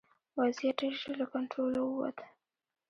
وضعیت ډېر ژر له کنټروله ووت.